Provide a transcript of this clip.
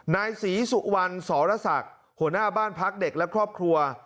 นายศรีสุวรรณสรศักดิ์หัวหน้าบ้านพักเด็กและครอบครัว